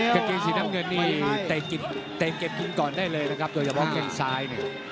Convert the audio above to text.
กระเกงสีน้ำเงินนี่แต่เก็บกินก่อนได้เลยนะครับโดยจะบอกแค่งซ้าย